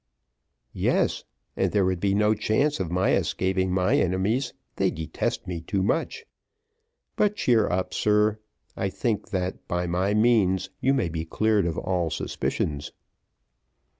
"Yes; and there would be no chance of my escaping from my enemies, they detest me too much. But cheer up, sir, I think that, by my means, you may be cleared of all suspicions."